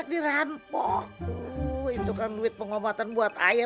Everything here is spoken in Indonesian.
sampai jumpa di video selanjutnya